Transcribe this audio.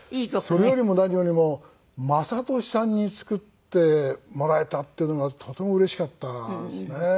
それよりも何よりも雅俊さんに作ってもらえたっていうのがとてもうれしかったですね。